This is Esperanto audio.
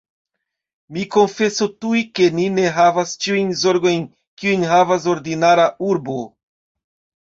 Mi konfesu tuj, ke ni ne havas ĉiujn zorgojn, kiujn havas ordinara urbo.